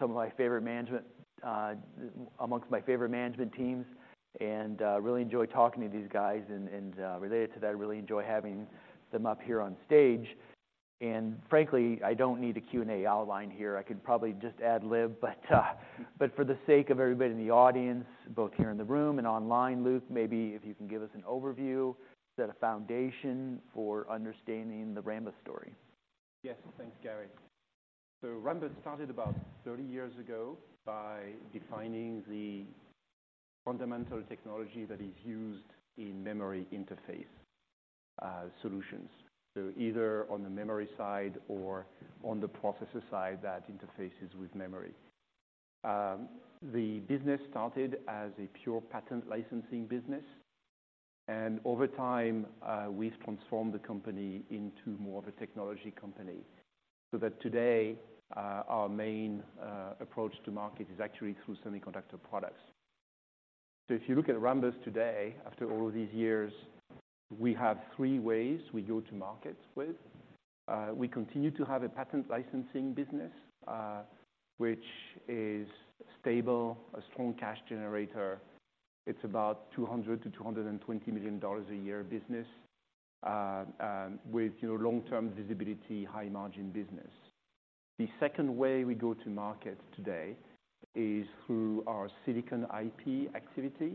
Some of my favorite management, among my favorite management teams, and really enjoy talking to these guys and, related to that, I really enjoy having them up here on stage. Frankly, I don't need a Q&A outline here. I could probably just ad lib, but for the sake of everybody in the audience, both here in the room and online, Luc, maybe if you can give us an overview, set a foundation for understanding the Rambus story. Yes, thanks, Gary. So Rambus started about 30 years ago by defining the fundamental technology that is used in memory interface solutions. So either on the memory side or on the processor side, that interfaces with memory. The business started as a pure patent licensing business, and over time, we've transformed the company into more of a technology company. So that today, our main approach to market is actually through semiconductor products. So if you look at Rambus today, after all these years, we have three ways we go to market with. We continue to have a patent licensing business, which is stable, a strong cash generator. It's about $200-$220 million a year business, with, you know, long-term visibility, high-margin business. The second way we go to market today is through our Silicon IP activity.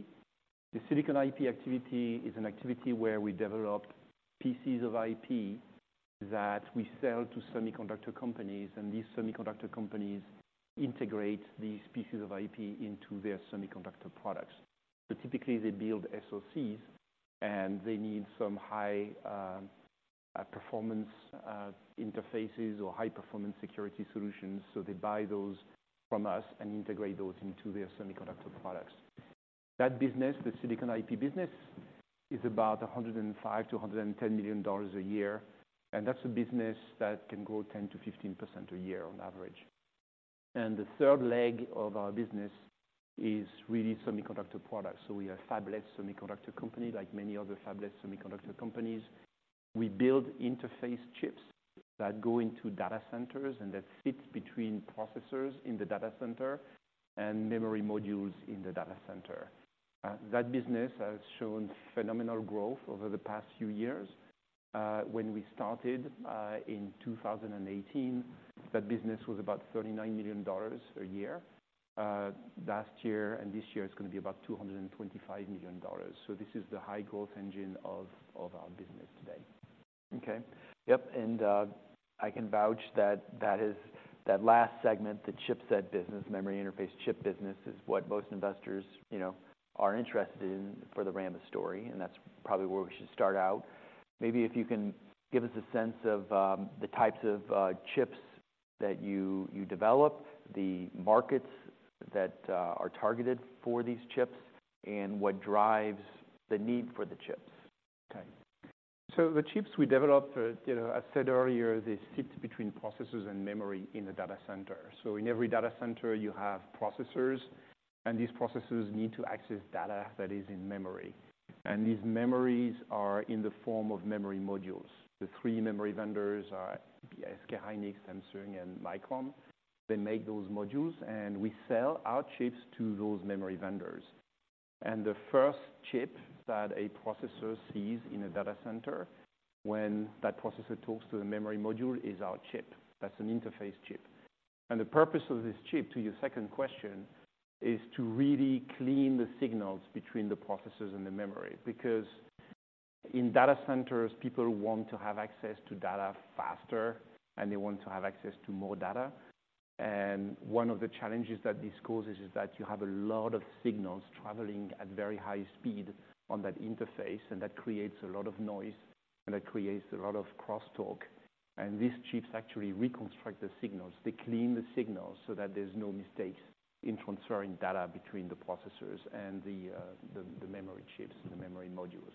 The Silicon IP activity is an activity where we develop pieces of IP that we sell to semiconductor companies, and these semiconductor companies integrate these pieces of IP into their semiconductor products. So typically, they build SoCs, and they need some high performance interfaces or high-performance security solutions, so they buy those from us and integrate those into their semiconductor products. That business, the Silicon IP business, is about $105 million-$110 million a year, and that's a business that can grow 10%-15% a year on average. The third leg of our business is really semiconductor products. So we are a fabless semiconductor company. Like many other fabless semiconductor companies, we build interface chips that go into data centers and that fit between processors in the data center and memory modules in the data center. That business has shown phenomenal growth over the past few years. When we started, in 2018, that business was about $39 million a year. Last year and this year, it's going to be about $225 million. So this is the high-growth engine of our business today. Okay. Yep, and, I can vouch that that is, that last segment, the chipset business, memory interface chip business, is what most investors, you know, are interested in for the Rambus story, and that's probably where we should start out. Maybe if you can give us a sense of, the types of, chips that you develop, the markets that, are targeted for these chips, and what drives the need for the chips? Okay. So the chips we develop, you know, I said earlier, they sit between processors and memory in the data center. So in every data center, you have processors, and these processors need to access data that is in memory, and these memories are in the form of memory modules. The three memory vendors are SK Hynix, Samsung, and Micron. They make those modules, and we sell our chips to those memory vendors. And the first chip that a processor sees in a data center when that processor talks to the memory module is our chip. That's an interface chip. And the purpose of this chip, to your second question, is to really clean the signals between the processors and the memory. Because in data centers, people want to have access to data faster, and they want to have access to more data. One of the challenges that this causes is that you have a lot of signals traveling at very high speed on that interface, and that creates a lot of noise, and it creates a lot of crosstalk. These chips actually reconstruct the signals. They clean the signals so that there's no mistakes in transferring data between the processors and the memory chips and the memory modules.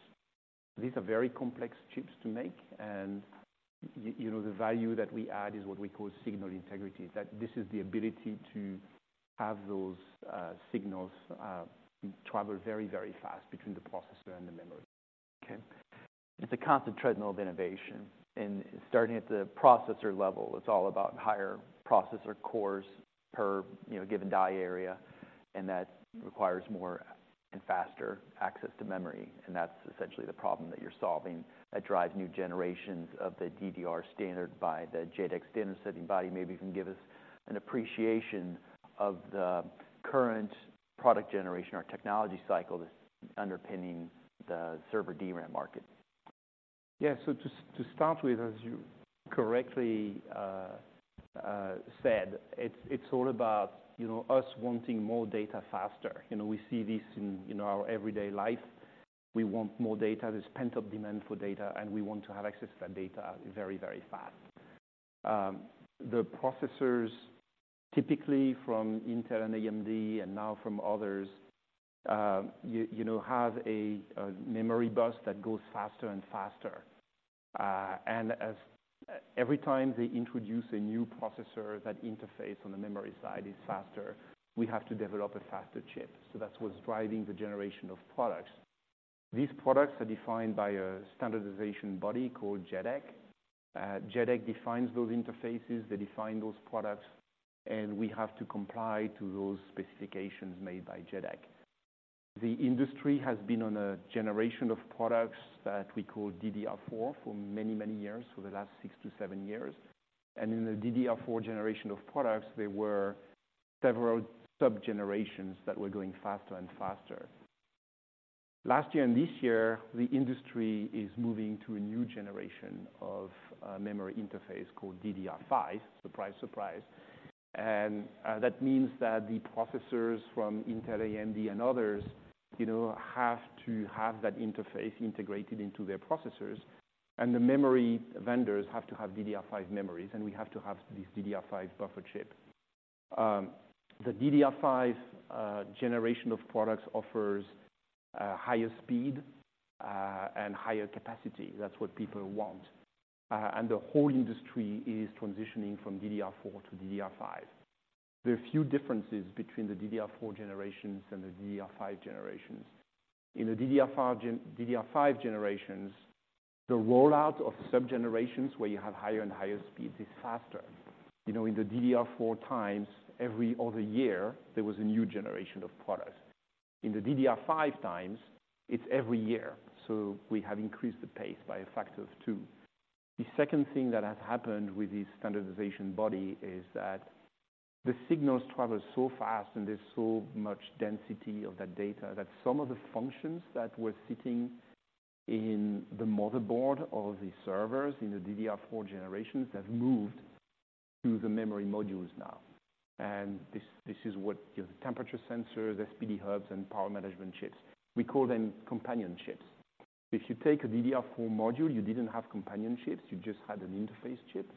These are very complex chips to make, and you know, the value that we add is what we call signal integrity. That this is the ability to have those signals travel very, very fast between the processor and the memory. Okay. It's a constant treadmill of innovation, and starting at the processor level, it's all about higher processor cores per, you know, given die area, and that requires more and faster access to memory. And that's essentially the problem that you're solving that drives new generations of the DDR standard by the JEDEC standard-setting body. Maybe you can give us an appreciation of the current product generation or technology cycle that's underpinning the server DRAM market. Yeah. So to start with, as you correctly said, it's all about, you know, us wanting more data faster. You know, we see this in our everyday life. We want more data. There's pent-up demand for data, and we want to have access to that data very, very fast. The processors, typically from Intel and AMD and now from others, you know, have a memory bus that goes faster and faster. And as every time they introduce a new processor, that interface on the memory side is faster, we have to develop a faster chip. So that's what's driving the generation of products. These products are defined by a standardization body called JEDEC. JEDEC defines those interfaces, they define those products, and we have to comply to those specifications made by JEDEC. The industry has been on a generation of products that we call DDR4 for many, many years, for the last 6-7 years. In the DDR4 generation of products, there were several sub-generations that were going faster and faster. Last year and this year, the industry is moving to a new generation of memory interface called DDR5. Surprise, surprise. That means that the processors from Intel, AMD, and others, you know, have to have that interface integrated into their processors, and the memory vendors have to have DDR5 memories, and we have to have these DDR5 buffer chip. The DDR5 generation of products offers higher speed and higher capacity. That's what people want. The whole industry is transitioning from DDR4 to DDR5. There are a few differences between the DDR4 generations and the DDR5 generations. In the DDR5 generations, the rollout of sub-generations, where you have higher and higher speeds, is faster. You know, in the DDR4 times, every other year, there was a new generation of products. In the DDR5 times, it's every year, so we have increased the pace by a factor of two. The second thing that has happened with this standardization body is that the signals travel so fast and there's so much density of that data, that some of the functions that were sitting in the motherboard of the servers in the DDR4 generations, have moved to the memory modules now. And this is what, you know, temperature sensors, SPD hubs, and power management chips. We call them companion chips. If you take a DDR4 module, you didn't have companion chips, you just had an interface chip.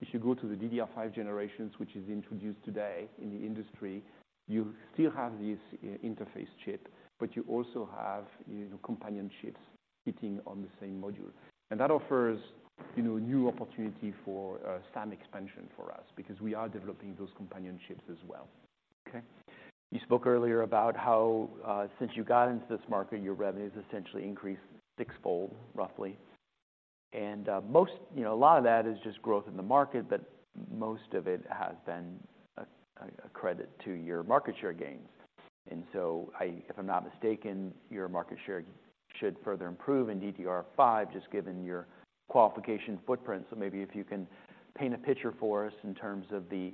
If you go to the DDR5 generations, which is introduced today in the industry, you still have this interface chip, but you also have, you know, companion chips sitting on the same module. And that offers, you know, a new opportunity for some expansion for us, because we are developing those companion chips as well. Okay. You spoke earlier about how since you got into this market, your revenue has essentially increased sixfold, roughly. And most... You know, a lot of that is just growth in the market, but most of it has been a credit to your market share gains. And so I, if I'm not mistaken, your market share should further improve in DDR5, just given your qualification footprint. So maybe if you can paint a picture for us in terms of the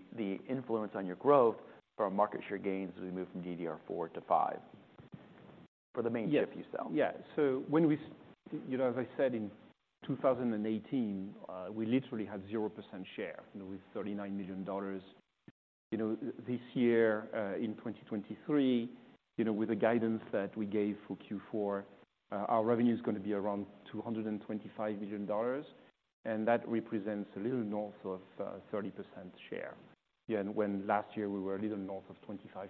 influence on your growth from market share gains as we move from DDR4 to five, for the main chip you sell. Yeah. So when we, you know, as I said, in 2018, we literally had 0% share, you know, with $39 million. You know, this year, in 2023, you know, with the guidance that we gave for Q4, our revenue is gonna be around $225 million, and that represents a little north of 30% share. Yeah, and when last year, we were a little north of 25%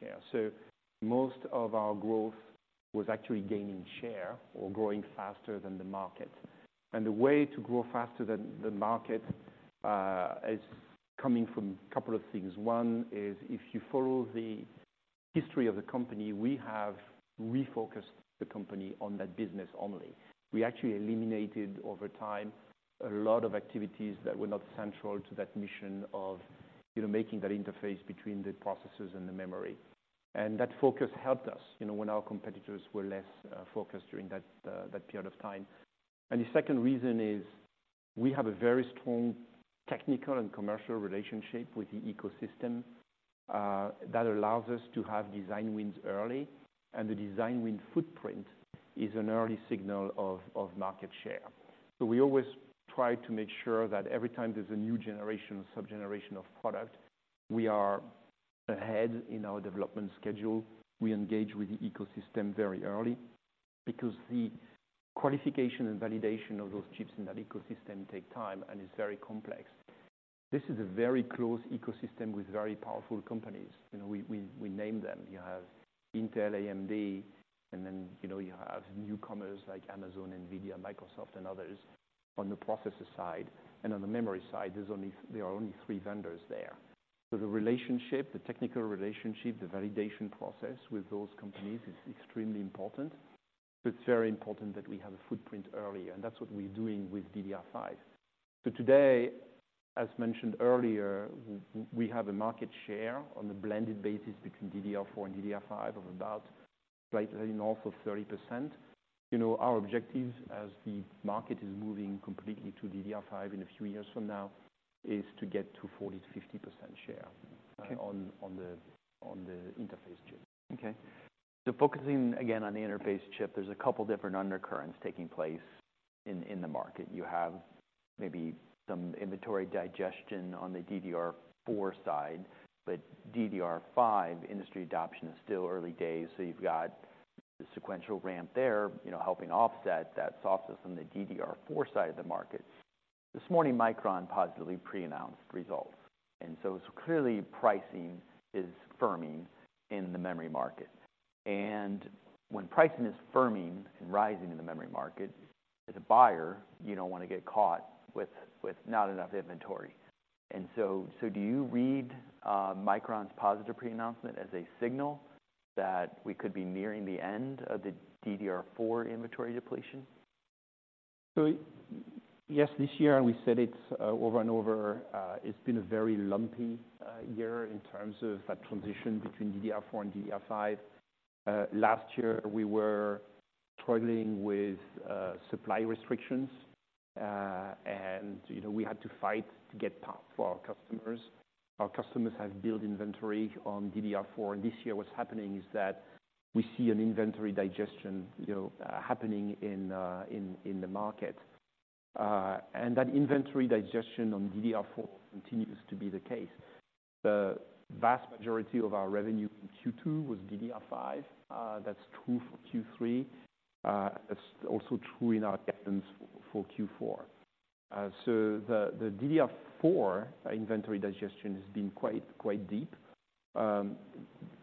share. So most of our growth was actually gaining share or growing faster than the market. And the way to grow faster than the market is coming from a couple of things. One is, if you follow the history of the company, we have refocused the company on that business only. We actually eliminated, over time, a lot of activities that were not central to that mission of, you know, making that interface between the processors and the memory. That focus helped us, you know, when our competitors were less focused during that period of time. The second reason is, we have a very strong technical and commercial relationship with the ecosystem that allows us to have design wins early, and the design win footprint is an early signal of market share. We always try to make sure that every time there's a new generation, sub-generation of product, we are ahead in our development schedule. We engage with the ecosystem very early, because the qualification and validation of those chips in that ecosystem take time and is very complex. This is a very close ecosystem with very powerful companies. You know, we name them. You have Intel, AMD, and then, you know, you have newcomers like Amazon, NVIDIA, Microsoft, and others on the processor side. And on the memory side, there are only three vendors there. So the relationship, the technical relationship, the validation process with those companies is extremely important. It's very important that we have a footprint early, and that's what we're doing with DDR5. So today, as mentioned earlier, we have a market share on a blended basis between DDR4 and DDR5 of about slightly north of 30%. You know, our objectives as the market is moving completely to DDR5 in a few years from now is to get to 40%-50% share- Okay... on the interface chip. Okay. So focusing again on the interface chip, there's a couple different undercurrents taking place in the market. You have maybe some inventory digestion on the DDR4 side, but DDR5 industry adoption is still early days, so you've got the sequential ramp there, you know, helping offset that softness on the DDR4 side of the market. This morning, Micron positively pre-announced results, and so clearly pricing is firming in the memory market. And when pricing is firming and rising in the memory market, as a buyer, you don't want to get caught with not enough inventory... And so do you read Micron's positive pre-announcement as a signal that we could be nearing the end of the DDR4 inventory depletion? So yes, this year, and we said it over and over, it's been a very lumpy year in terms of that transition between DDR4 and DDR5. Last year, we were struggling with supply restrictions, and, you know, we had to fight to get parts for our customers. Our customers have built inventory on DDR4, and this year, what's happening is that we see an inventory digestion, you know, happening in the market. And that inventory digestion on DDR4 continues to be the case. The vast majority of our revenue in Q2 was DDR5. That's true for Q3. That's also true in our guidance for Q4. So the DDR4 inventory digestion has been quite deep.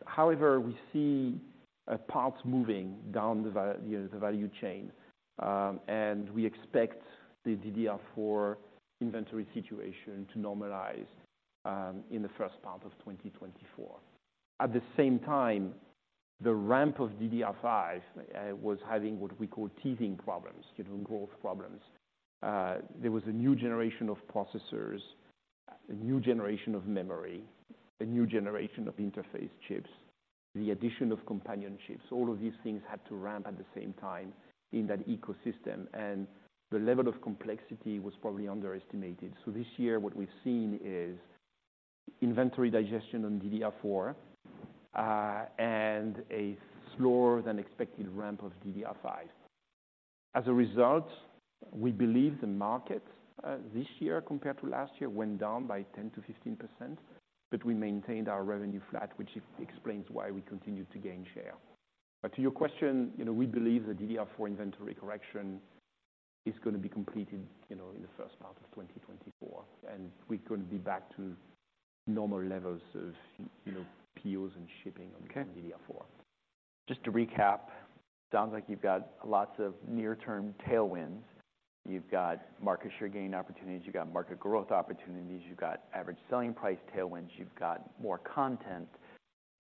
However, we see parts moving down the value chain, you know, and we expect the DDR4 inventory situation to normalize in the first part of 2024. At the same time, the ramp of DDR5 was having what we call teething problems, you know, growth problems. There was a new generation of processors, a new generation of memory, a new generation of interface chips, the addition of companion chips. All of these things had to ramp at the same time in that ecosystem, and the level of complexity was probably underestimated. So this year, what we've seen is inventory digestion on DDR4 and a slower than expected ramp of DDR5. As a result, we believe the market, this year compared to last year, went down by 10%-15%, but we maintained our revenue flat, which explains why we continued to gain share. But to your question, you know, we believe the DDR4 inventory correction is going to be completed, you know, in the first part of 2024, and we're going to be back to normal levels of, you know, POs and shipping on DDR4. Just to recap, sounds like you've got lots of near-term tailwinds. You've got market share gain opportunities, you've got market growth opportunities, you've got average selling price tailwinds, you've got more content,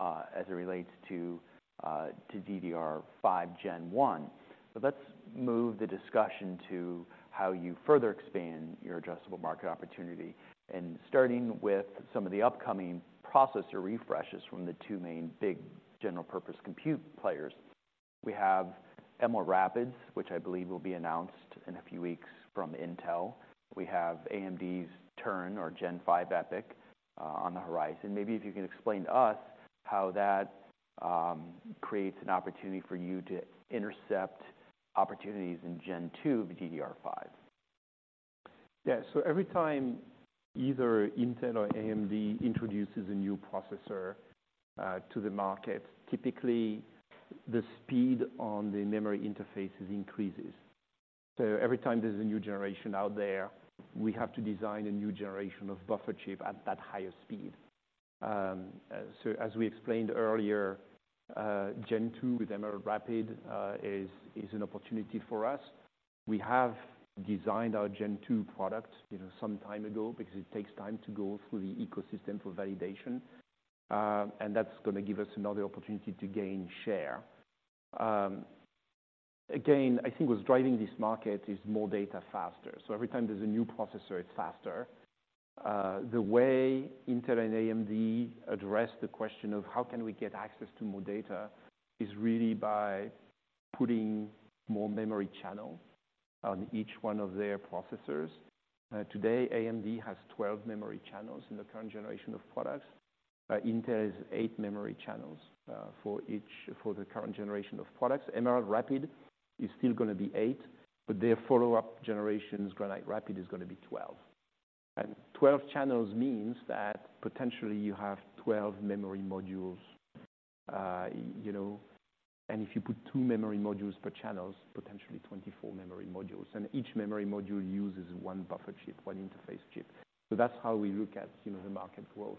as it relates to, to DDR5 Gen 1. So let's move the discussion to how you further expand your addressable market opportunity and starting with some of the upcoming processor refreshes from the two main big general purpose compute players. We have Emerald Rapids, which I believe will be announced in a few weeks from Intel. We have AMD's Turin or Gen 5 EPYC, on the horizon. Maybe if you can explain to us how that, creates an opportunity for you to intercept opportunities in Gen two of DDR5. Yeah. So every time either Intel or AMD introduces a new processor to the market, typically the speed on the memory interfaces increases. So every time there's a new generation out there, we have to design a new generation of buffer chip at that higher speed. So as we explained earlier, Gen 2 with Emerald Rapids is an opportunity for us. We have designed our Gen 2 product, you know, some time ago because it takes time to go through the ecosystem for validation, and that's going to give us another opportunity to gain share. Again, I think what's driving this market is more data faster. So every time there's a new processor, it's faster. The way Intel and AMD address the question of: How can we get access to more data? is really by putting more memory channels on each one of their processors. Today, AMD has 12 memory channels in the current generation of products. Intel has eight memory channels for each, for the current generation of products. Emerald Rapids is still gonna be eight, but their follow-up generations, Granite Rapids, is gonna be 12. And 12 channels means that potentially you have 12 memory modules, you know, and if you put two memory modules per channels, potentially 24 memory modules, and each memory module uses one buffer chip, one interface chip. So that's how we look at, you know, the market growth,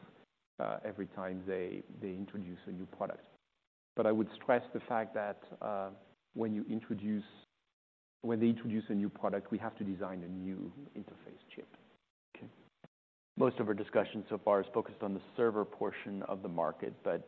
every time they introduce a new product. But I would stress the fact that when they introduce a new product, we have to design a new interface chip. Okay. Most of our discussion so far is focused on the server portion of the market, but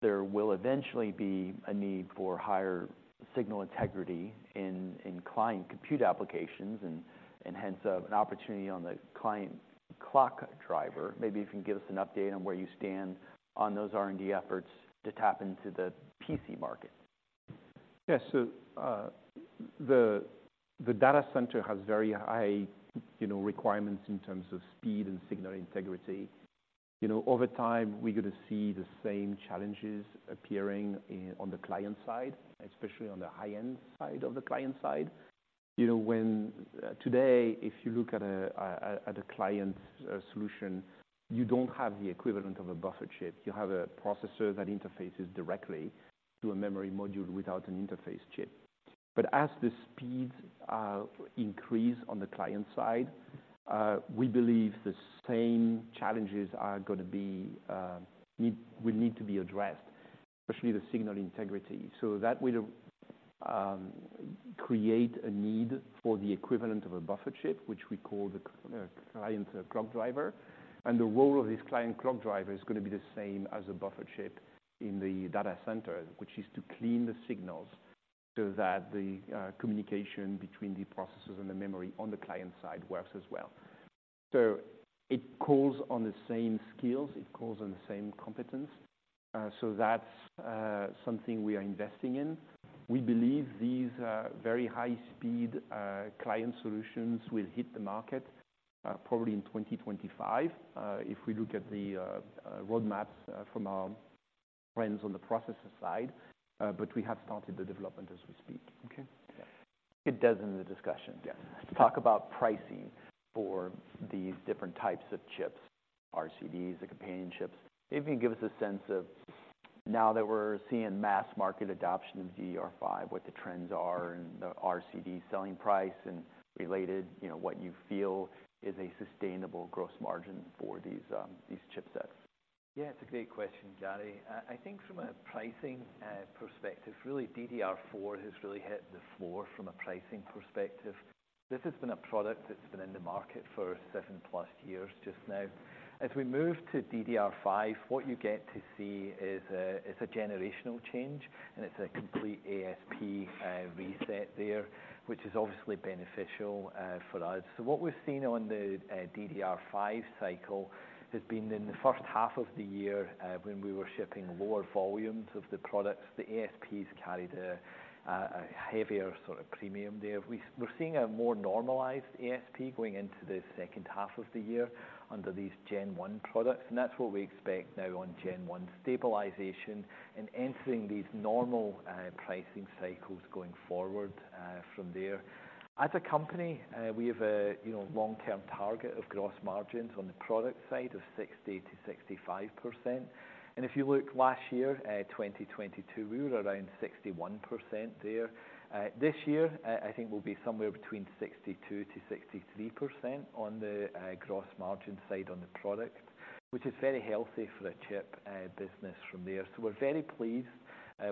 there will eventually be a need for higher signal integrity in client compute applications and hence, an opportunity on the client clock driver. Maybe you can give us an update on where you stand on those R&D efforts to tap into the PC market. Yes. So, the data center has very high, you know, requirements in terms of speed and signal integrity. You know, over time, we're going to see the same challenges appearing in on the client side, especially on the high-end side of the client side. You know, today, if you look at a client solution, you don't have the equivalent of a buffer chip. You have a processor that interfaces directly to a memory module without an interface chip. But as the speeds increase on the client side, we believe the same challenges will need to be addressed, especially the signal integrity. So that will create a need for the equivalent of a buffer chip, which we call the Client Clock Driver. The role of this client clock driver is gonna be the same as a buffer chip in the data center, which is to clean the signals so that the communication between the processors and the memory on the client side works as well. So it calls on the same skills, it calls on the same competence, so that's something we are investing in. We believe these very high speed client solutions will hit the market, probably in 2025, if we look at the roadmaps from our friends on the processor side, but we have started the development as we speak. Okay. It does in the discussion. Yes. Talk about pricing for these different types of chips, RCDs, the companion chips. Maybe you can give us a sense of, now that we're seeing mass market adoption of DDR5, what the trends are and the RCD selling price and related, you know, what you feel is a sustainable gross margin for these, these chipsets. Yeah, it's a great question, Gary. I think from a pricing perspective, really, DDR4 has really hit the floor from a pricing perspective. This has been a product that's been in the market for 7+ years just now. As we move to DDR5, what you get to see is a, it's a generational change, and it's a complete ASP reset there, which is obviously beneficial for us. So what we've seen on the DDR5 cycle has been in the first half of the year, when we were shipping lower volumes of the products, the ASPs carried a heavier sort of premium there. We're seeing a more normalized ASP going into the second half of the year under these Gen One products, and that's what we expect now on Gen One: stabilization and entering these normal pricing cycles going forward from there. As a company, we have a, you know, long-term target of gross margins on the product side of 60%-65%. And if you look last year, 2022, we were around 61% there. This year, I think we'll be somewhere between 62%-63% on the gross margin side on the product, which is very healthy for a chip business from there. So we're very pleased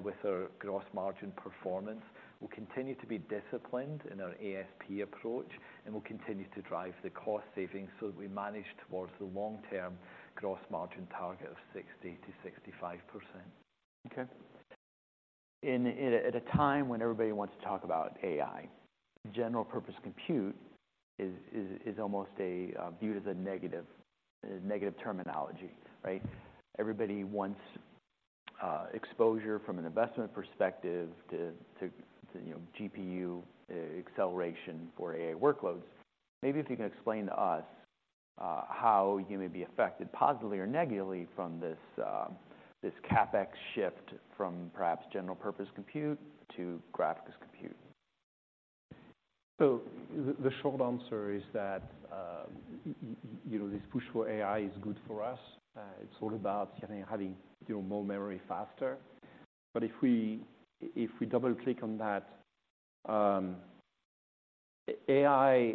with our gross margin performance. We'll continue to be disciplined in our ASP approach, and we'll continue to drive the cost savings so that we manage towards the long-term gross margin target of 60%-65%. Okay. At a time when everybody wants to talk about AI, general purpose compute is almost viewed as a negative, a negative terminology, right? Everybody wants exposure from an investment perspective to, you know, GPU acceleration for AI workloads. Maybe if you can explain to us how you may be affected positively or negatively from this CapEx shift from perhaps general purpose compute to graphics compute. So the short answer is that, you know, this push for AI is good for us. It's all about getting, having, you know, more memory faster. But if we double-click on that, AI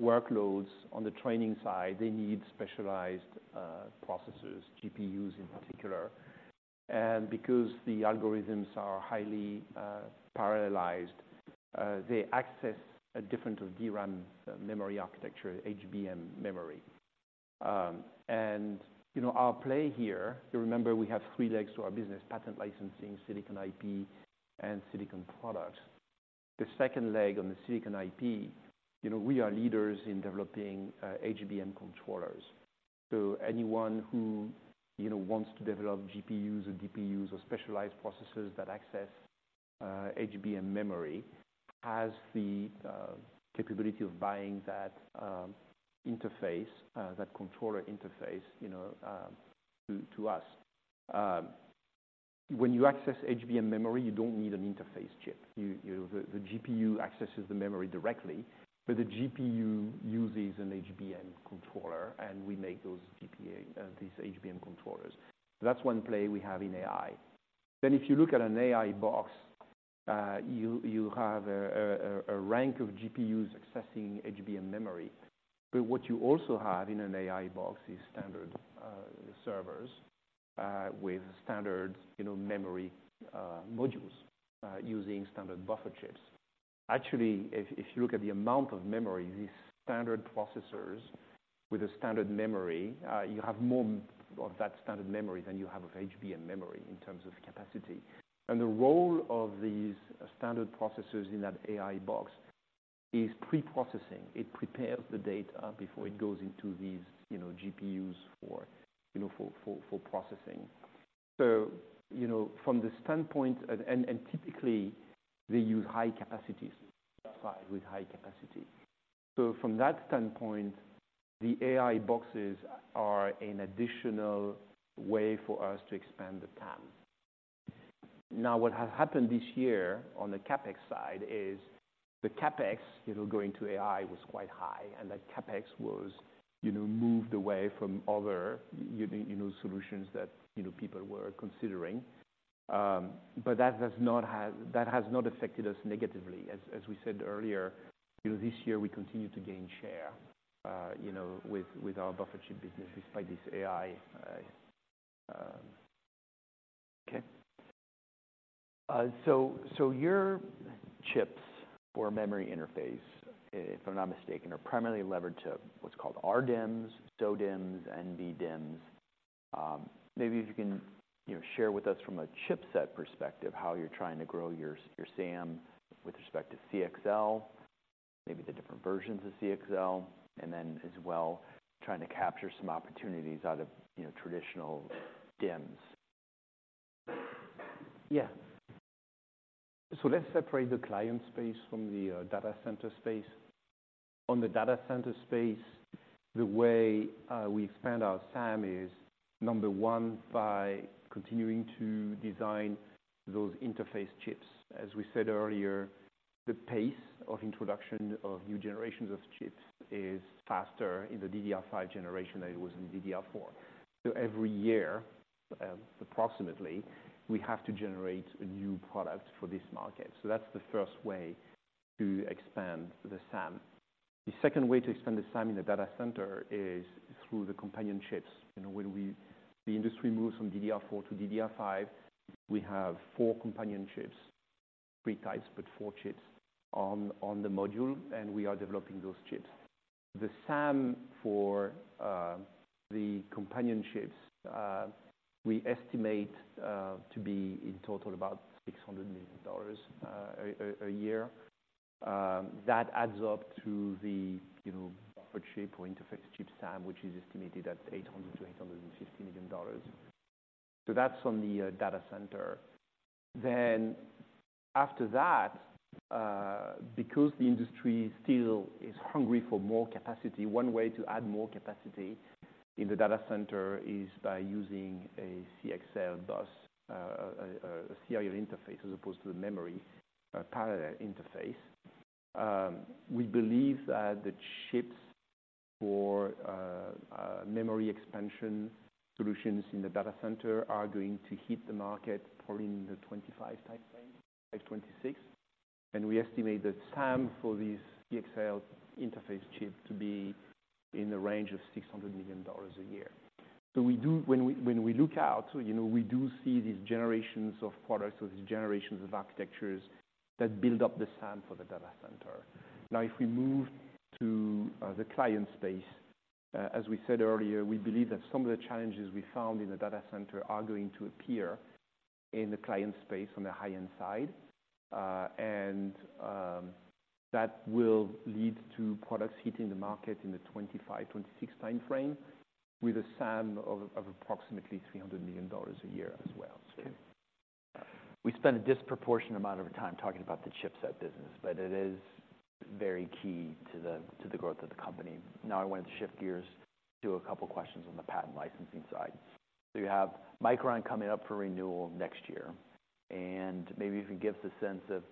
workloads on the training side, they need specialized processors, GPUs in particular. And because the algorithms are highly parallelized, they access a different DRAM memory architecture, HBM memory. And, you know, our play here, you remember we have three legs to our business: patent licensing, silicon IP, and silicon products. The second leg on the silicon IP, you know, we are leaders in developing HBM controllers. So anyone who, you know, wants to develop GPUs or DPUs or specialized processors that access HBM memory has the capability of buying that interface that controller interface, you know, to us. When you access HBM memory, you don't need an interface chip. You know, the GPU accesses the memory directly, but the GPU uses an HBM controller, and we make these HBM controllers. That's one play we have in AI. Then, if you look at an AI box, you have a rank of GPUs accessing HBM memory. But what you also have in an AI box is standard servers with standard, you know, memory modules using standard buffer chips. Actually, if you look at the amount of memory, these standard processors with a standard memory, you have more of that standard memory than you have of HBM memory in terms of capacity. And the role of these standard processors in that AI box is pre-processing. It prepares the data before it goes into these, you know, GPUs for, you know, processing. So, you know, from the standpoint, typically they use high capacities with high capacity. So from that standpoint, the AI boxes are an additional way for us to expand the TAM. Now, what has happened this year on the CapEx side is, the CapEx, you know, going to AI was quite high, and that CapEx was, you know, moved away from other, you know, solutions that, you know, people were considering. But that has not affected us negatively. As we said earlier, you know, this year we continue to gain share, you know, with our buffer chip business despite this AI trend. Okay. So, so your chips or memory interface, if I'm not mistaken, are primarily levered to what's called RDIMMs, SO-DIMMs, and NVDIMMs. Maybe if you can, you know, share with us from a chipset perspective, how you're trying to grow your, your SAM with respect to CXL, maybe the different versions of CXL, and then as well, trying to capture some opportunities out of, you know, traditional DIMMs. Yeah. So let's separate the client space from the data center space. On the data center space, the way we expand our SAM is, number one, by continuing to design those interface chips. As we said earlier, the pace of introduction of new generations of chips is faster in the DDR5 generation than it was in DDR4. So every year, approximately, we have to generate a new product for this market. So that's the first way to expand the SAM. The second way to expand the SAM in the data center is through the companion chips. You know, when the industry moves from DDR4 to DDR5, we have four companion chips, three types, but four chips on the module, and we are developing those chips. The SAM for the companion chips, we estimate to be in total about $600 million a year. That adds up to the, you know, buffer chip or interface chip SAM, which is estimated at $800 million-$850 million. So that's on the data center. Then after that, because the industry still is hungry for more capacity, one way to add more capacity in the data center is by using a CXL bus, a serial interface, as opposed to the memory parallel interface. We believe that the chips for memory expansion solutions in the data center are going to hit the market probably in the 25 time frame, like 26. We estimate the TAM for these CXL interface chips to be in the range of $600 million a year. So when we look out, you know, we do see these generations of products or these generations of architectures that build up the SAM for the data center. Now, if we move to the client space, as we said earlier, we believe that some of the challenges we found in the data center are going to appear in the client space on the high-end side. And that will lead to products hitting the market in the 2025-2026 time frame with a SAM of approximately $300 million a year as well, so. Okay. We spent a disproportionate amount of time talking about the chipset business, but it is very key to the, to the growth of the company. Now, I wanted to shift gears to a couple questions on the patent licensing side. So you have Micron coming up for renewal next year, and maybe if you give us a sense of,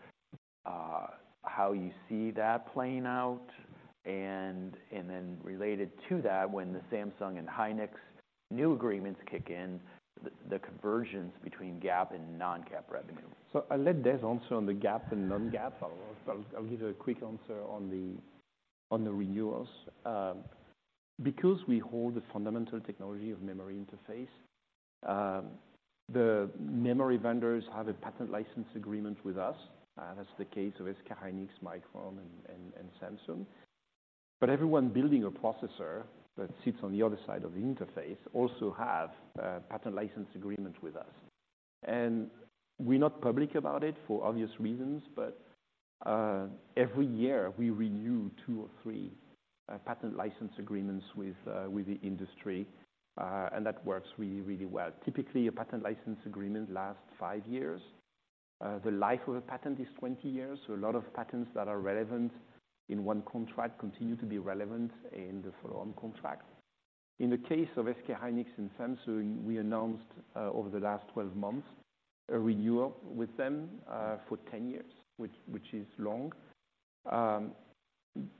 how you see that playing out, and, and then related to that, when the Samsung and Hynix new agreements kick in, the, the conversions between GAAP and non-GAAP revenue. So I'll let Des answer on the GAAP and non-GAAP. I'll give a quick answer on the renewals. Because we hold the fundamental technology of memory interface, the memory vendors have a patent license agreement with us. That's the case with SK Hynix, Micron, and Samsung. But everyone building a processor that sits on the other side of the interface also have a patent license agreement with us. And we're not public about it for obvious reasons, but every year, we renew two or three patent license agreements with the industry, and that works really, really well. Typically, a patent license agreement lasts five years. The life of a patent is twenty years, so a lot of patents that are relevant in one contract continue to be relevant in the follow-on contract. In the case of SK Hynix and Samsung, we announced over the last 12 months a renewal with them for 10 years, which is long.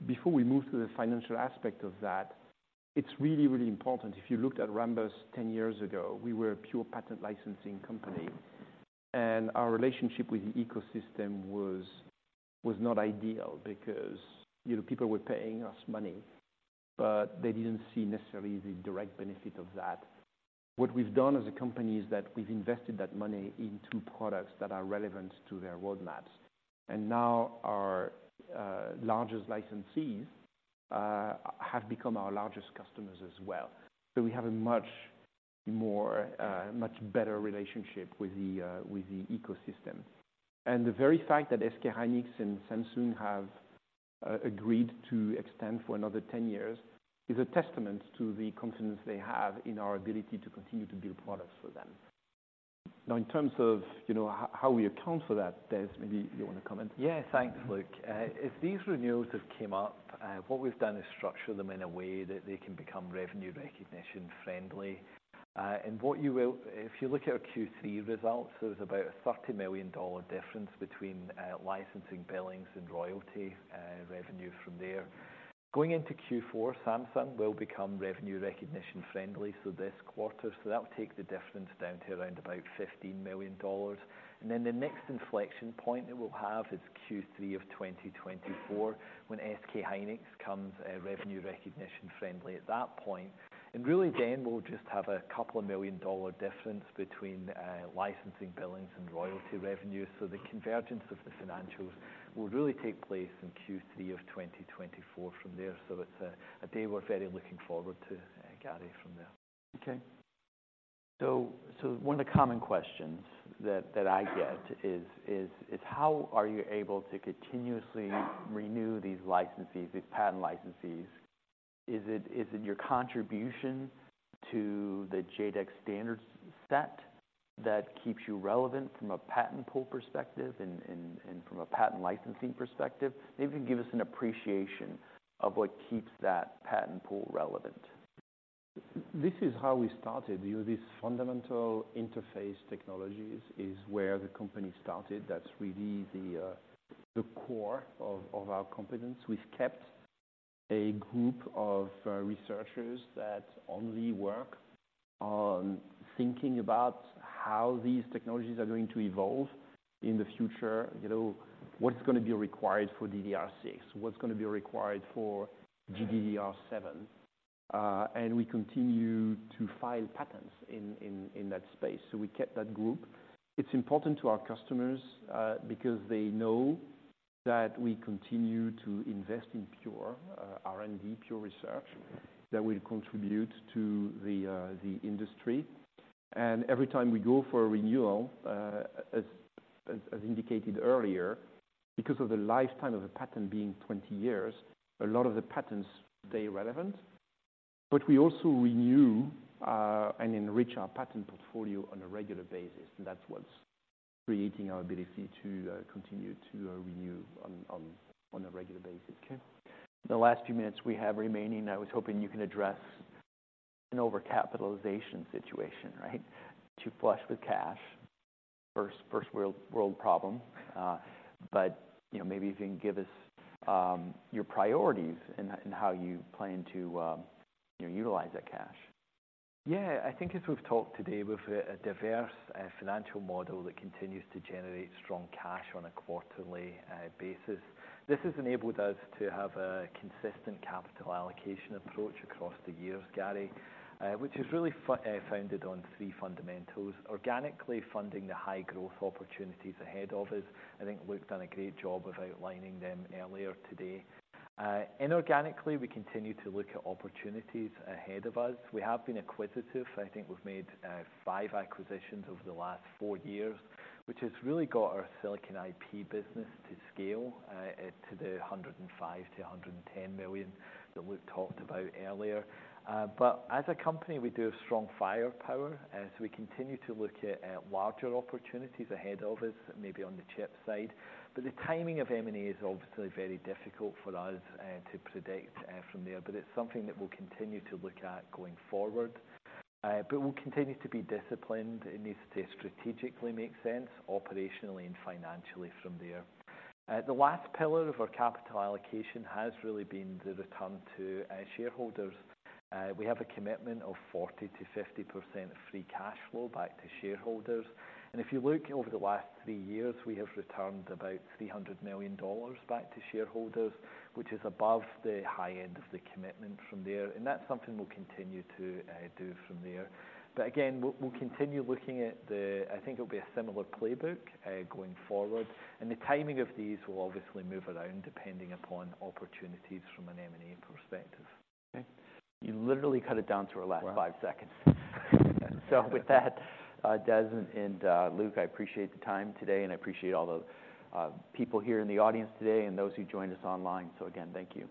Before we move to the financial aspect of that, it's really, really important. If you looked at Rambus 10 years ago, we were a pure patent licensing company, and our relationship with the ecosystem was not ideal because, you know, people were paying us money, but they didn't see necessarily the direct benefit of that. What we've done as a company is that we've invested that money into products that are relevant to their roadmaps, and now our largest licensees have become our largest customers as well. So we have a much more much better relationship with the ecosystem. The very fact that SK Hynix and Samsung have agreed to extend for another 10 years is a testament to the confidence they have in our ability to continue to build products for them. Now, in terms of, you know, how we account for that, Des, maybe you want to comment? Yeah. Thanks, Luc. As these renewals have came up, what we've done is structure them in a way that they can become revenue recognition friendly. And what you will... If you look at our Q3 results, there was about a $30 million difference between licensing, billings, and royalty revenue from there. Going into Q4, Samsung will become revenue recognition friendly, so this quarter, so that will take the difference down to around about $15 million. And then the next inflection point that we'll have is Q3 of 2024, when SK Hynix becomes revenue recognition friendly at that point. And really, then, we'll just have a $2 million difference between licensing, billings, and royalty revenues. So the convergence of the financials will really take place in Q3 of 2024 from there. So it's a day we're very looking forward to, Gary, from there. Okay. So one of the common questions that I get is: How are you able to continuously renew these licensees, these patent licensees? Is it your contribution to the JEDEC standard set that keeps you relevant from a patent pool perspective and from a patent licensing perspective? Maybe give us an appreciation of what keeps that patent pool relevant. This is how we started. You know, this fundamental interface technologies is where the company started. That's really the core of our competence. We've kept a group of researchers that only work on thinking about how these technologies are going to evolve in the future. You know, what's gonna be required for DDR6? What's gonna be required for GDDR7? And we continue to file patents in that space, so we kept that group. It's important to our customers because they know that we continue to invest in pure R&D, pure research, that will contribute to the industry. And every time we go for a renewal, as indicated earlier, because of the lifetime of a patent being 20 years, a lot of the patents, they're relevant. But we also renew and enrich our patent portfolio on a regular basis, and that's what's creating our ability to continue to renew on a regular basis. Okay. The last few minutes we have remaining, I was hoping you can address an overcapitalization situation, right? Too flush with cash. First world problem. But, you know, maybe you can give us your priorities in how you plan to, you know, utilize that cash. Yeah, I think as we've talked today, we've a diverse financial model that continues to generate strong cash on a quarterly basis. This has enabled us to have a consistent capital allocation approach across the years, Gary, which is really founded on three fundamentals: organically funding the high growth opportunities ahead of us. I think Luc done a great job of outlining them earlier today. Inorganically, we continue to look at opportunities ahead of us. We have been acquisitive. I think we've made 5 acquisitions over the last 4 years, which has really got our silicon IP business to scale to the $105 million-$110 million that Luc talked about earlier. But as a company, we do have strong firepower, as we continue to look at larger opportunities ahead of us, maybe on the chip side. But the timing of M&A is obviously very difficult for us to predict from there, but it's something that we'll continue to look at going forward. But we'll continue to be disciplined. It needs to strategically make sense, operationally and financially from there. The last pillar of our capital allocation has really been the return to our shareholders. We have a commitment of 40%-50% free cash flow back to shareholders, and if you look over the last three years, we have returned about $300 million back to shareholders, which is above the high end of the commitment from there. And that's something we'll continue to do from there. But again, we'll continue looking at the... I think it'll be a similar playbook, going forward. And the timing of these will obviously move around, depending upon opportunities from an M&A perspective. Okay. You literally cut it down to our last five seconds. So with that, Des and, Luc, I appreciate the time today, and I appreciate all the people here in the audience today and those who joined us online. So again, thank you.